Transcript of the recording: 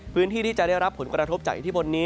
พื้นที่ที่จะได้รับผลกระทบจากอิทธิพลนี้